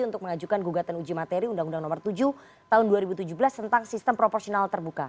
untuk mengajukan gugatan uji materi undang undang nomor tujuh tahun dua ribu tujuh belas tentang sistem proporsional terbuka